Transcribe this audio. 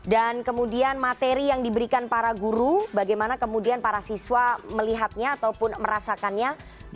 dan kemudian materi yang diberikan para guru bagaimana kemudian para siswa melihatnya ataupun merasakannya